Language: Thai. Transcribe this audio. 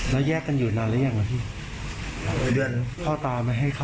แล้วปืนเราไปเอาไว้กันไหน